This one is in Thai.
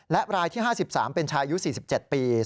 และรายที่๕๓เป็นชายอายุ๔๗ปี